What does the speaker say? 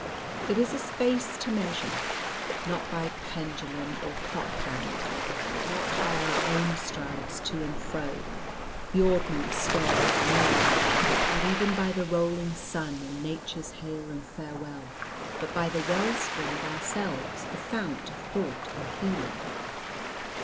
Life it is a space to measure, not by pendulum or clock hand, not by our own strides to and fro (the ordnance scale of the million), not even by the rolling sun, and nature's hail and farewell; but by the well spring of ourselves, the fount of thought and feeling.